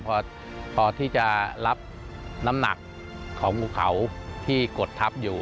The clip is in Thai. พอที่จะรับน้ำหนักของภูเขาที่กดทับอยู่